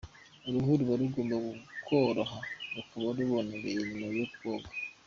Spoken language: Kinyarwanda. Uruhu ruba rugomba koroha rukaba rubobereye nyuma yo koga.